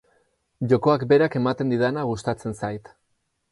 Jokoak berak ematen didana gustatzen zait.